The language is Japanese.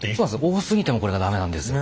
多すぎてもこれがダメなんですよ。